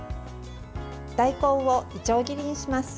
大根をいちょう切りにします。